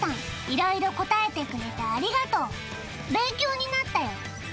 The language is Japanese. いろいろ答えてくれてありがとう勉強になったよ